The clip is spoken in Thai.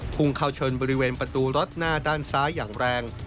พุ่งเข้าชนบริเวณประตูรถหน้าด้านซ้ายอย่างแรง